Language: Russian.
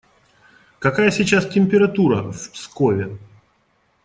Какая сейчас температура в Пскове?